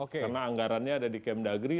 karena anggarannya ada di kemdagri